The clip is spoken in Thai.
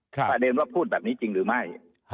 ประเด็นว่าพูดแบบนี้จริงหรือไม่